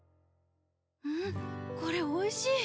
んっこれおいしい！